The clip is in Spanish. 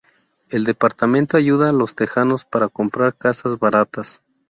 El departamento ayuda los texanos para comprar casas baratas.